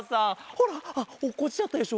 ほらあっおっこちちゃったでしょ？